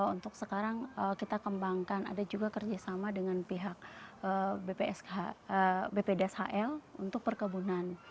untuk sekarang kita kembangkan ada juga kerjasama dengan pihak bpdshl untuk perkebunan